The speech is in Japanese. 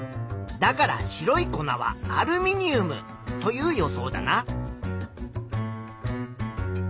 だから白い粉はアルミニウムという予想だな。